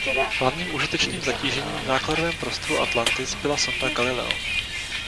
Hlavním užitečným zatížením v nákladovém prostoru Atlantis byla sonda Galileo.